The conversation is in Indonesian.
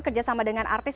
kerja sama dengan artis